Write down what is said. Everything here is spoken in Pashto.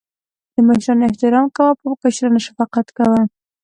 د مشرانو احترام کوه.په کشرانو شفقت کوه